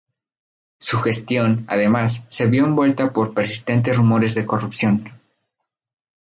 Su gestión, además, se vio envuelta por persistentes rumores de corrupción.